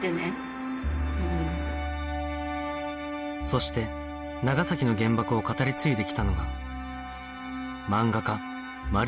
そして長崎の原爆を語り継いできたのが